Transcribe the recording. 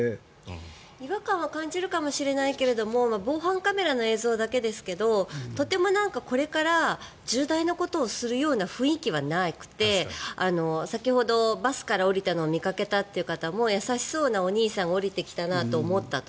違和感は感じるかもしれないけど防犯カメラの映像だけですけどとてもこれから重大なことをするような雰囲気はなくて先ほどバスから降りたのを見かけたという方も優しそうなお兄さんが降りてきたなと思ったと。